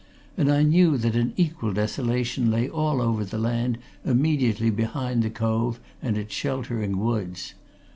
And I knew that an equal desolation lay all over the land immediately behind the cove and its sheltering woods.